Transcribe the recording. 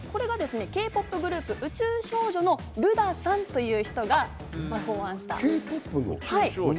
Ｋ−ＰＯＰグループ・宇宙少女のルダさんという人が考案した。